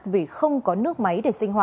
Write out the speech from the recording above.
vì không có nước máy